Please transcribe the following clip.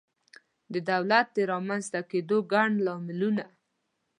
د دولت د رامنځته کېدو ګڼ لاملونه